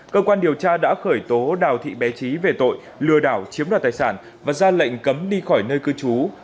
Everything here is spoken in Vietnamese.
cơ quan điều tra đã khởi tố đào thị bé trí về tội lừa đảo chiếm đoạt tài sản và ra lệnh cấm đi khỏi nơi cư trú